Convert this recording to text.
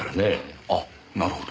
あなるほど。